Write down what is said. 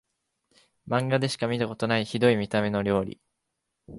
マンガでしか見たことないヒドい見た目の料理